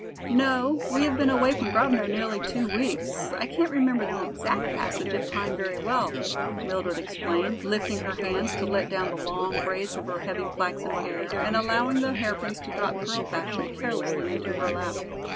"No, we have been away from Grovno nearly two weeks, I can't remember the exact passage of time very well," Mildred explained, lifting her hands to let down the long braids of her heavy flaxen hair, and allowing the hairpins to drop girl fashion, carelessly into her lap.